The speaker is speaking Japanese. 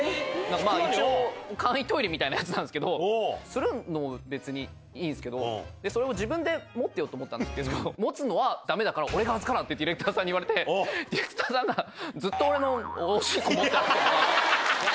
一応、簡易トイレみたいなやつなんですけど、するのも別にいいんですけど、それを自分で持ってようと思ったんですけど、持つのはだめだから、俺が預かるわって言われて、ディレクターさんに言われて、ディレクターさんがずっと俺のおしっこ持ってたんです。